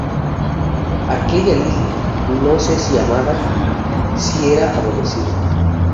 ¡ aquella Lilí, no sé si amada, si aborrecida!